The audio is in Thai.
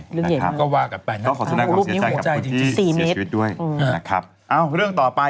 เรื่องเยี่ยมมากนะครับขอโสดงด่าความเสียใจกับคนที่เสียชีวิตด้วยนะครับอ้าวเรื่องต่อไป